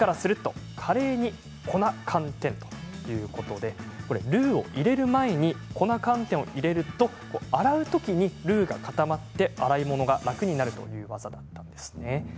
第８位はルーを入れる前に粉寒天を入れると洗う時にルーが固まって洗い物が楽になるという技だったんですね。